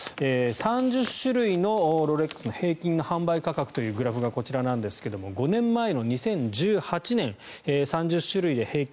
３０種類のロレックスの平均の販売価格というグラフがこちらなんですが５年前の２０１８年３０種類で平均